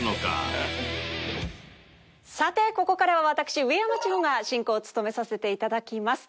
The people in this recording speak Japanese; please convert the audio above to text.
さてここからは私上山千穂が進行を務めさせていただきます。